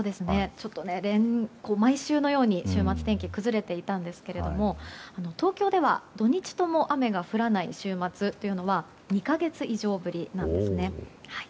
毎週のように週末、天気が崩れていましたが東京では、土日とも雨が降らない週末というのは２か月以上ぶりなんですね。